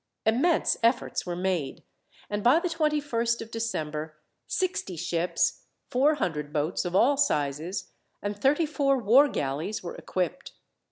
Immense efforts were made, and by the 21st of December sixty ships, four hundred boats of all sizes, and thirty four war galleys were equipped.